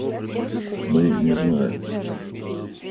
Мы не знаем